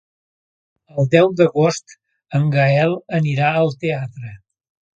El deu d'agost en Gaël anirà al teatre.